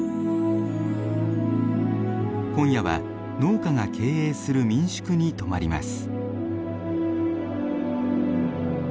今夜は農家が経営する民宿に泊まります。